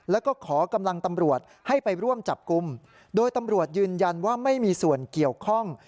แล้วก็ขอกำลังตำรวจให้ไปร่วมจับกลุ่มโดยตำรวจยืนยันว่าไม่มีส่วนเกี่ยวข้อง